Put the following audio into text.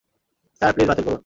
Sir, please বাতিল করুন।